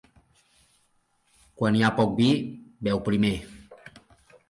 Quan hi ha poc vi, beu primer.